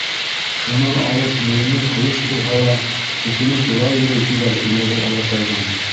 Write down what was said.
Шунан алып муйыны ҡыйыш булһа ла, «төтөнө тура йөрөй» тиҙәр ине ул олатайҙың.